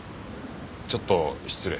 ちょっと失礼。